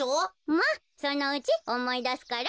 まっそのうちおもいだすから。